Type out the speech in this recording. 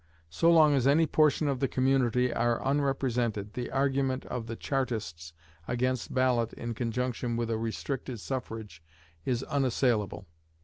So long as any portion of the community are unrepresented, the argument of the Chartists against ballot in conjunction with a restricted suffrage is unassailable.